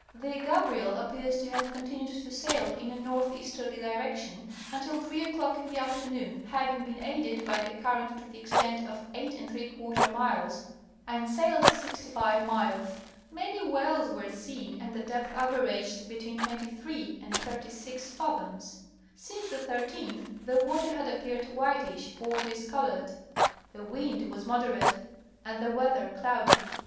The Gabriel appears to have continued to sail in a northeasterly direction until three o'clock in the afternoon, hav ing been aided by the current to the extent of 82 miles and sailed 65 miles ; many whales were seen and the depth averaged between 23 and 36 fathoms. Since the 13th the water had appeared whitish or discolored. The wind was moderate and the weather cloudy.